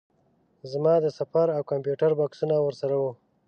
زما د سفر او کمپیوټر بکسونه ورسره وو.